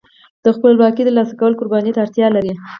د خپلواکۍ ترلاسه کول قربانۍ ته اړتیا لري.